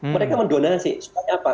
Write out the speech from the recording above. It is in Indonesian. mereka mendonasi supaya apa